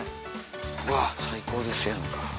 うわ最高ですやんか。